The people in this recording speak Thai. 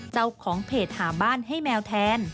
เจ้าของเพจหาบ้านให้แมวแทน